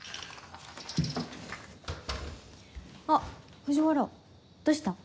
あっ藤原どうした？